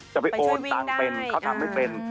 จะไปโอนต่างเป็นเขาทำไม่เป็น